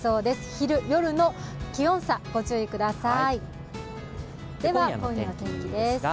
昼・夜の気温差、ご注意ください。